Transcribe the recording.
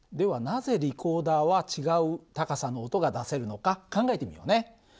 なぜリコーダーは違う高さの音が出せるのか考えてみようね。